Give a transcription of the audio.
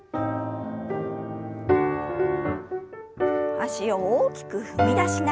脚を大きく踏み出しながら。